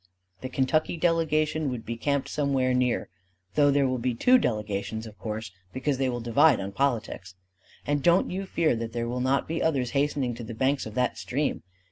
The Kentucky delegation would be camped somewhere near, though there will be two delegations, of course, because they will divide on politics. And don't you fear that there will not be others hastening to the banks of that stream!